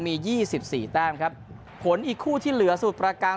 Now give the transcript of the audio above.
มียี่สิบสี่แต้มครับผลอีกคู่ที่เหลือสมุทรประการ